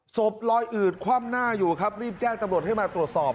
ศพลอยอืดคว่ำหน้าอยู่ครับรีบแจ้งตำรวจให้มาตรวจสอบ